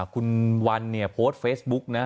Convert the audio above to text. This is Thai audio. คุณวันเนี่ยโพสต์เฟซบุ๊กนะ